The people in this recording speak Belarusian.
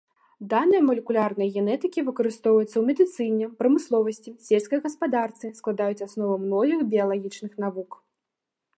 Даныя малекулярнай генетыкі выкарыстоўваюцца ў медыцыне, прамысловасці, сельскай гаспадарцы, складаюць аснову многіх біялагічных навук.